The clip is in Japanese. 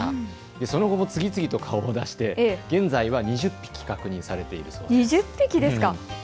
その後も次々と顔を出して現在は２０匹、確認されているそうです。